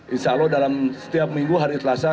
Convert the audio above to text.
insya allah dalam setiap minggu hari selasa